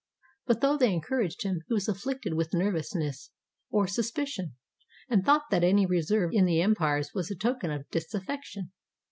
But though they encouraged him, he was afflicted with nervousness or suspicion, and thought that any reserve in the umpires was a token of disaffection.